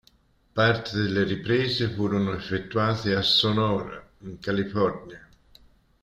Parte delle riprese furono effettuate a Sonora, in California.